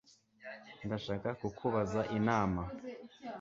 Ndashaka kukubaza inama